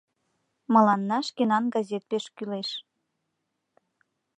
Мыланна шкенан газет пеш кӱлеш.